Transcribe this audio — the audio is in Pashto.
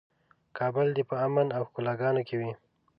کابل دې په امن او ښکلاګانو کې وي.